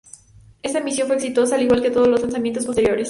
Esta misión fue exitosa, al igual que todos los lanzamientos posteriores.